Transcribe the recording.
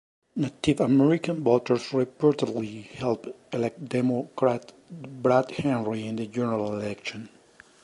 Native American voters reportedly helped elect Democrat Brad Henry in the general election.